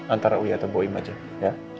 antara uya atau bu im aja ya